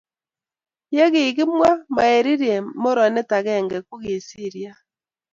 Yekimwaa, mairie morenet agenge kisiriat